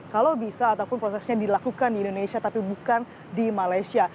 kalau bisa ataupun prosesnya dilakukan di indonesia tapi bukan di malaysia